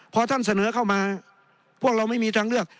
พอท่านเสนอเข้ามาพวกเราไม่มีทางเลือก